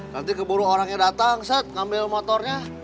nanti keburu orangnya datang set ngambil motornya